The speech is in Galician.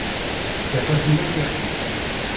¿E a clase media, que?